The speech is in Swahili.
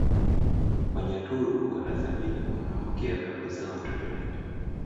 Wanyaturu wanathamini mwanamke anapozaa watoto wengi